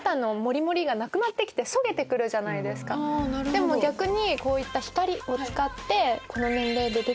でも逆に。